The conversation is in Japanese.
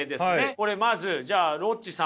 これまずじゃあロッチさん